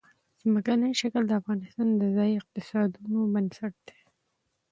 ځمکنی شکل د افغانستان د ځایي اقتصادونو بنسټ دی.